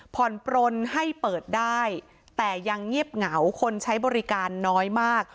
ผ่อนปลนให้เปิดได้แต่ยังเงียบเหงาคนใช้บริการน้อยมาก